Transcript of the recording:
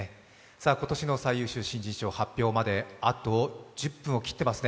今年の最優秀新人賞発表まであと１０分を切っていますね。